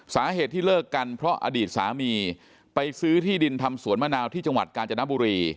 สาเหตุที่เลิกกันเพราะอดีตสามีไปซื้อที่ดินทำสวนมะนาวที่จังหวัดกาญจนบุรี